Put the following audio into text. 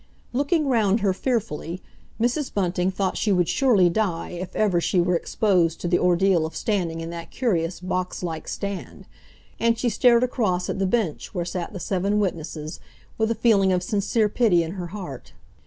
Looking round her fearfully, Mrs. Bunting thought she would surely die if ever she were exposed to the ordeal of standing in that curious box like stand, and she stared across at the bench where sat the seven witnesses with a feeling of sincere pity in her heart.